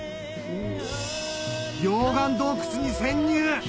溶岩洞窟に潜入！